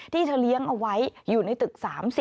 ที่เธอเลี้ยงเอาไว้อยู่ในตึก๓๐